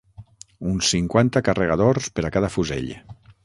Uns cinquanta carregadors per a cada fusell